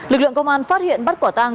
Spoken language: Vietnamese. lực lượng công an phát hiện bắt quả tang